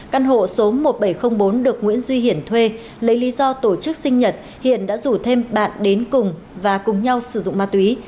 căn hộ số một nghìn bảy trăm linh bốn được nguyễn duy hiển thuê lấy lý do tổ chức sinh nhật hiện đã rủ thêm bạn đến cùng và cùng nhau sử dụng ma túy